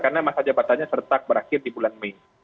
karena masa jabatannya seretak berakhir di bulan mei